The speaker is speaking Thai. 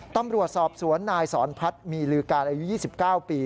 ตำรวจสอบสวนนายสอนพัฒน์มีลือการอายุ๒๙ปี